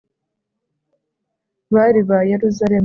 bari ba yeruzalemu